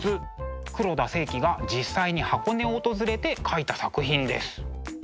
黒田清輝が実際に箱根を訪れて描いた作品です。